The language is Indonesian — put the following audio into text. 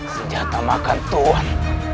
senjata makan tuhan